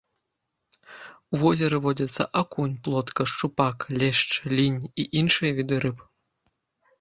У возеры водзяцца акунь, плотка, шчупак, лешч, лінь і іншыя віды рыб.